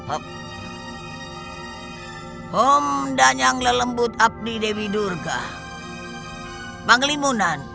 aku akan menemukanmu